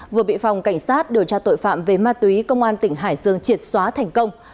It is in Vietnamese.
vừa bị phòng cảnh sát điều tra tội phạm về ma túy công an tỉnh hải dương triệt xóa thành công